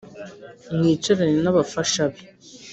mwicarane n’abafasha be.